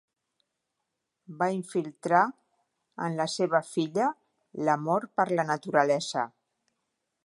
Va infiltrar en la seva filla l'amor per la naturalesa.